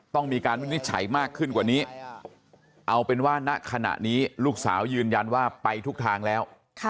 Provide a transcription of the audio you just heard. ต้องมีการวินิจฉัยมากขึ้นกว่านี้เอาเป็นว่าณขณะนี้ลูกสาวยืนยันว่าไปทุกทางแล้ว